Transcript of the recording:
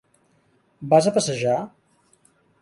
Vas a passejar?